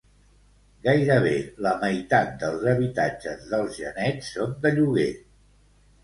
Gairebé la meitat dels habitatges dels genets són de lloguer.